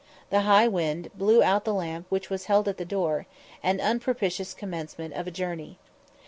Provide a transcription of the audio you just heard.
The high wind blew out the lamp which was held at the door; an unpropitious commencement of a journey.